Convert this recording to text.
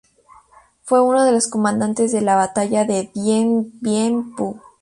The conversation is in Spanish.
Fue uno de los comandante de la batalla de Dien Bien Phu.